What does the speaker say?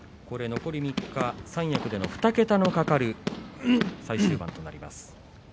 残り３日三役での２桁が懸かる最終盤となります。